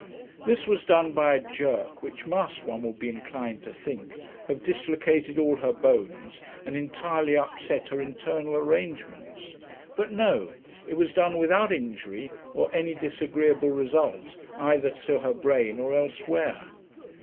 This was done by a jerk which must, one would be inclined to think, have dislocated all her bones and entirely upset her internal arrangements. But no; it was done without injury, or any disagreeable result either to her brain or elsewhere.